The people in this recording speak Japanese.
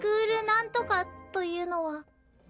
なんとかというのは。